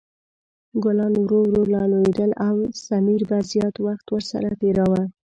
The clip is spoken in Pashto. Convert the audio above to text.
ګلان ورو ورو لا لویدل او سمیر به زیات وخت ورسره تېراوه.